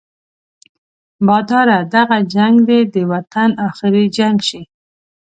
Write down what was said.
باداره دغه جنګ دې د وطن اخري جنګ شي.